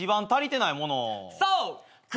そう！